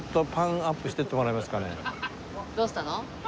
どうしたの？